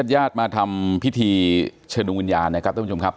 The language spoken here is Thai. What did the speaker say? ญาติมาทำพิธีเชิญดวงวิญญาณนะครับท่านผู้ชมครับ